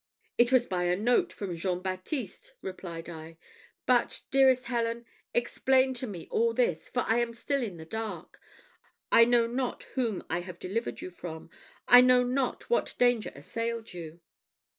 "It was by a note from Jean Baptiste," replied I. "But, dearest Helen, explain to me all this; for I am still in the dark. I know not whom I have delivered you from I know not what danger assailed you!"